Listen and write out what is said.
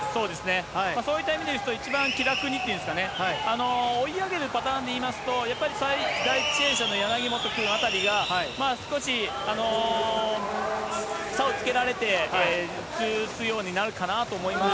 そういった意味で言うと、一番気楽にっていうんですかね、追い上げるパターンでいいますと、やっぱり、第１泳者の柳本のあたりが少し差をつけられていくようになるかと思います。